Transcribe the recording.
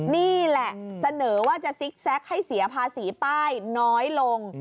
นี่แหละเสนอว่าจะซิกแซคให้เสียภาษีป้ายน้อยลง